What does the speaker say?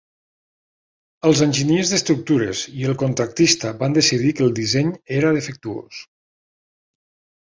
Els enginyers d'estructures i el contractista van decidir que el disseny era defectuós.